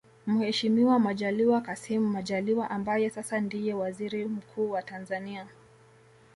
Mheshimiwa Majaliwa Kassim Majaliwa ambaye sasa ndiye Waziri Mkuu wa Tanzania